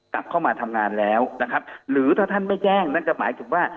กลับเข้ามาทำงานแล้วนะครับหรือถ้าท่านไม่แจ้งนั่นก็หมายถึงว่า